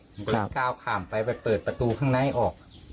ผมก็ก้าวข้ามไปไปเปิดประตูข้างในออก